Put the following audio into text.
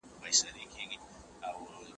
بهرنۍ سوداګري د اقتصاد مهمه برخه ده.